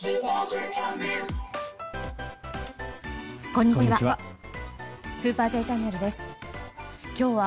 こんにちは。